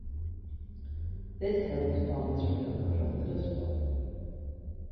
This helped farmers recover from the Dust Bowl.